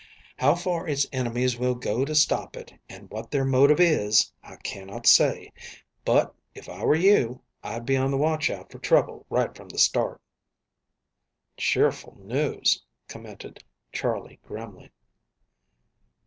How far its enemies will go to stop it, and what their motive is, I cannot say. But, if I were you, I'd be on the watchout for trouble right from the start." "Cheerful news," commented Charley grimly.